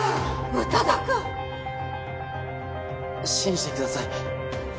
宇多田くん！信じてください。